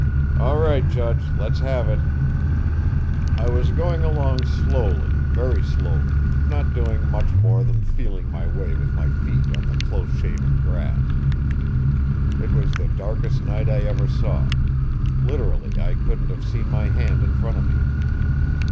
"All right, judge! Let's have it." "I was going along slowly, very slowly, not doing much more than feeling my way with my feet on the close shaven grass. It was the darkest night I ever saw. Literally, I couldn't have seen my hand in front of me.